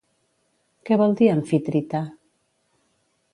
Què vol dir Amfitrite?